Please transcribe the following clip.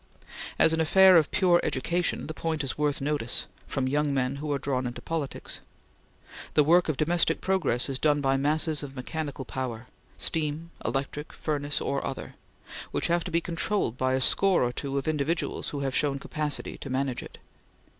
As an affair of pure education the point is worth notice from young men who are drawn into politics. The work of domestic progress is done by masses of mechanical power steam, electric, furnace, or other which have to be controlled by a score or two of individuals who have shown capacity to manage it.